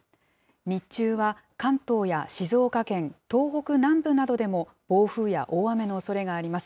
日中は関東や静岡県、東北南部などでも暴風や大雨のおそれがあります。